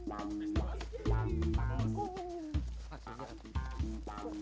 wan kok berhasil dapetin jamurnya wan